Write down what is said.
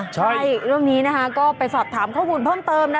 ใช่เรื่องนี้นะคะก็ไปสอบถามข้อมูลเพิ่มเติมนะ